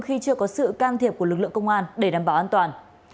khi chưa có sự can thiệp của lực lượng công an để đảm bảo an toàn